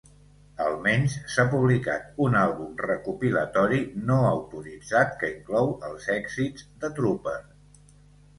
Almenys s'ha publicat un àlbum recopilatori no autoritzat que inclou els èxits de Trooper.